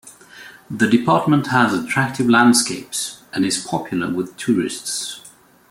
The department has attractive landscapes and is popular with tourists.